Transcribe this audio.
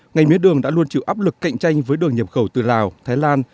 ngành mía đường đã luôn chịu áp lực cạnh tranh với đường nhập khẩu từ lào thái lan